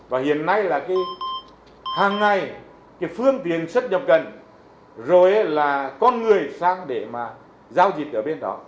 và hiện nay là hàng ngày cái phương tiện xuất nhập cần rồi là con người sang để mà giao dịch ở bên đó